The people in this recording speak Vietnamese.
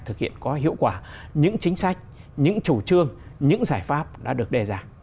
thực hiện có hiệu quả những chính sách những chủ trương những giải pháp đã được đề ra